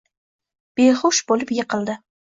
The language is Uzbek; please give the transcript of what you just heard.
behush boʻlib yiqildi.